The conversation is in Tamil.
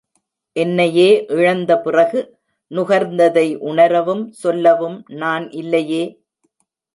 என்னையே இழந்த பிறகு நுகர்ந்ததை உணரவும், சொல்லவும் நான் இல்லையே!